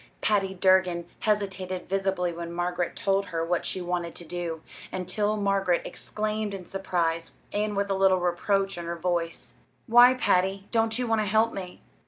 Patty Durgin hesitated visibly when Margaret told her what she wanted to do, until Margaret exclaimed in surprise, and with a little reproach in her voice: "Why, Patty, don't you want to help me?"